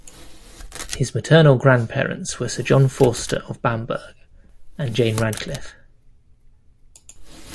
His maternal grandparents were Sir John Forster of Bamburgh and Jane Radcliffe.